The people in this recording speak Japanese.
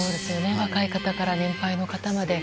若い方から年配の方まで。